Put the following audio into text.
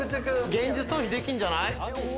現実逃避できるんじゃない？